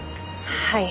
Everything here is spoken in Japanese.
はい。